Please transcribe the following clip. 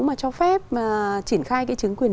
mà cho phép triển khai cái chứng quyền